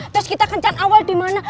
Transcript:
terus kita kencan awal dimana